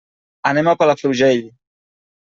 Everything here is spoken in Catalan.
Anem a Palafrugell.